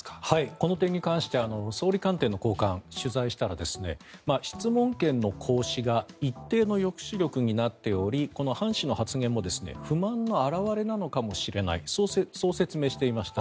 この点に関しては総理官邸の高官に取材したら、質問権の行使が一定の抑止力になっておりこのハン氏の発言も不満の表れなのかもしれないそう説明していました。